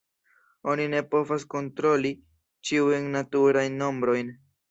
Oni ne povas kontroli ĉiujn naturajn nombrojn.